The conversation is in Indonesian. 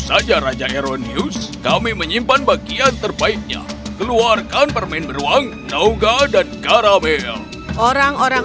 saja aaron hughes kami menyimpan bagian terbaiknya keluarkan permen beruang noga dan karamel orang orang